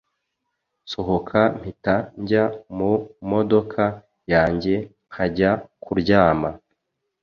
nsohoka mpita njya mu modoka yanjye nkajya kuryama